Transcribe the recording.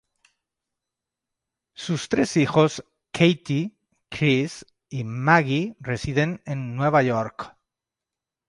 Sus tres hijos Katie, Chris, y Maggie residen en Nueva York.